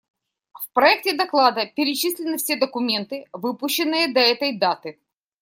В проекте доклада перечислены все документы, выпущенные до этой даты.